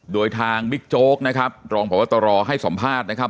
โดยทางวิกโชคนะครับรองภัพตรให้ส่วนผ้าดนะครับ